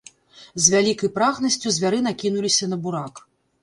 З вялікай прагнасцю звяры накінуліся на бурак.